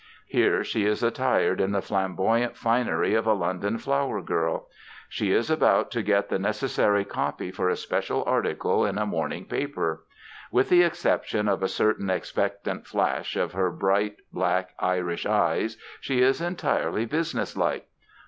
Here she is attired in the flamboyant finery of a London flowergirl. She is about to get the necessary copy for a special article in a morning paper. With the exception of a certain expectant flash of her bright black Irish eyes, she is entirely businesslike.